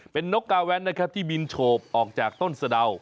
เป็นนกกาแว้นนะครับที่บินโฉบออกจากต้นสะดาว